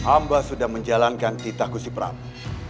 amba sudah menjalankan titah gusti prabu